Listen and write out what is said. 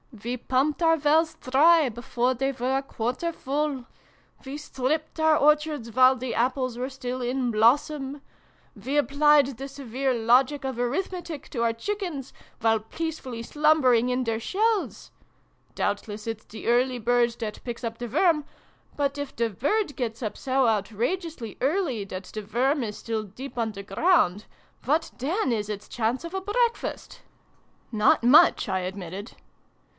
We pumped our wells dry before they were a quarter full we stripped our orchards while the apples were still in blossom we applied the severe logic of arithmetic to our chickens, while peacefully slumbering in their shells ! Doubtless it's the early bird that picks up the worm but if the bird gets up so outrageously early that the worm is still deep underground, what then is its chance of a breakfast ?" 184 SYLVIE AND BRUNO CONCLUDED. Not much, I admitted.